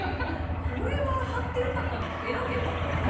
これは貼って良かったんですか？